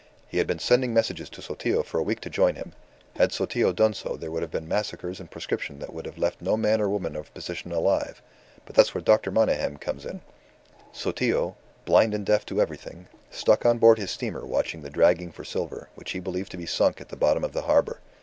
He had been sending messages to Sotillo for a week to join him. Had Sotillo done so there would have been massacres and proscription that would have left no man or woman of position alive. But that's where Dr. Monygham comes in. Sotillo, blind and deaf to everything, stuck on board his steamer watching the dragging for silver, which he believed to be sunk at the bottom of the harbour.